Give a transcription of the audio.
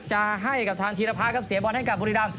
จะให้กับทางธีรภาคครับเสียบอลให้กับบุรีรำ